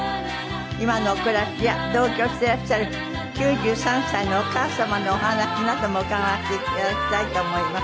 今のお暮らしや同居していらっしゃる９３歳のお母様のお話なども伺わせていただきたいと思います。